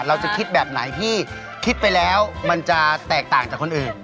เราจะคิดแบบไหนที่คิดไปแล้วมันจะแตกต่างจากคนอื่น